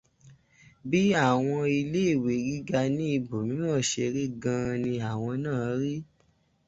Bí àwọn iléèwé gíga ní ibòmíràn ṣe rí gan ni àwọn náà rí.